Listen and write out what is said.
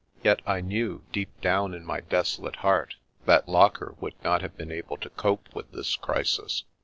Yet I knew, deep down in my desolate heart, that Locker would not have been able to cope with this crisis.